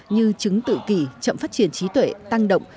như chứng tự kỷ chậm phát triển trí tuệ tăng động